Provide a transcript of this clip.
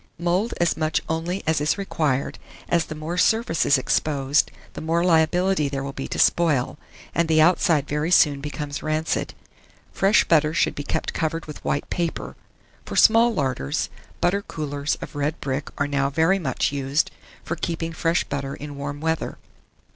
Mould as much only as is required, as the more surface is exposed, the more liability there will be to spoil; and the outside very soon becomes rancid. Fresh butter should be kept covered with white paper. For small larders, butter coolers of red brick are now very much used for keeping fresh butter in warm weather.